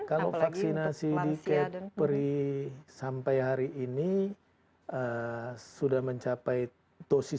kalau vaksinasi di kepri sampai hari ini sudah mencapai dosis satu tujuh puluh delapan